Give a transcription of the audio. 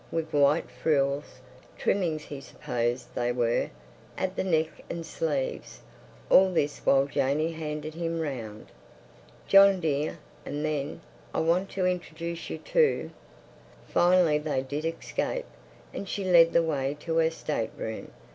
—with white frills, trimmings he supposed they were, at the neck and sleeves. All this while Janey handed him round. "John, dear!" And then: "I want to introduce you to—" Finally they did escape, and she led the way to her state room.